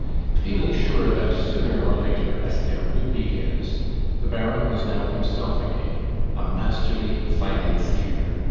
Feeling sure that sooner or later Esther would be his, the Baron was now himself again, a masterly financier.